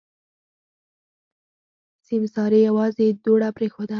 سيمسارې يوازې دوړه پرېښوده.